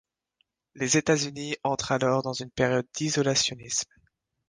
Les États-Unis entrent alors dans une période d'isolationnisme.